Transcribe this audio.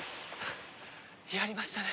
やりましたね。